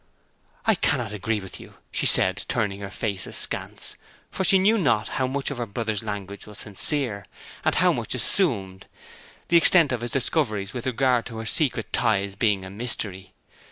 'I cannot agree with you,' she said, turning her face askance, for she knew not how much of her brother's language was sincere, and how much assumed, the extent of his discoveries with regard to her secret ties being a mystery.